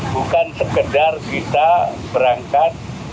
bukan sekedar kita berangkat